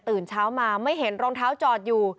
เช้ามาไม่เห็นรองเท้าจอดอยู่